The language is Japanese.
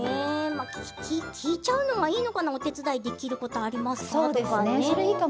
聞いちゃうのがいいのかなお手伝いできることありますか？